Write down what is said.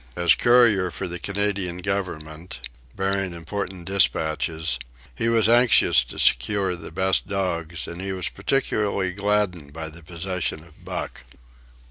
As courier for the Canadian Government, bearing important despatches, he was anxious to secure the best dogs, and he was particularly gladdened by the possession of Buck.